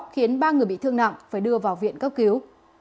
khiến ba người bị thương nặng phải đưa vào viện cấp cứu